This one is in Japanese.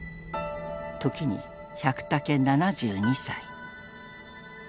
時に百武７２歳。